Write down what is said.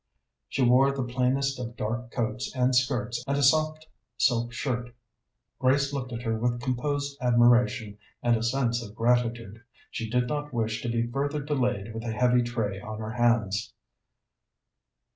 She wore the plainest of dark coats and skirts and a soft silk shirt. Grace looked at her with composed admiration and a sense of gratitude. She did not wish to be further delayed with the heavy tray on her hands.